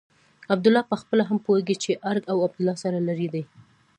عبدالله پخپله هم پوهېږي چې ارګ او عبدالله سره لرې دي.